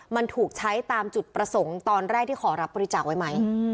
มันถูกใช้ตามจุดประสงค์ตอนแรกที่ขอรับบริจาคไว้ไหม